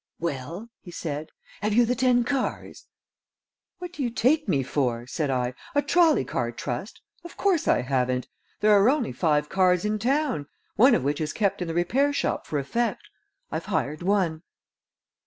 "Well," he said, "have you the ten cars?" "What do you take me for," said I, "a trolley car trust? Of course I haven't. There are only five cars in town, one of which is kept in the repair shop for effect. I've hired one."